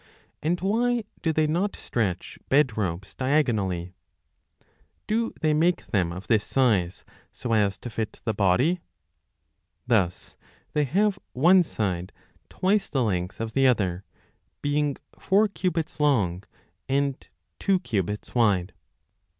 And why do they not stretch bed ropes diagonally ? Do they make them of this size so as to fit the body ? Thus they have one side twice the length of the other, being four cubits long and two cubits wide.